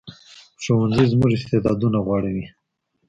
ښوونځی زموږ استعدادونه غوړوي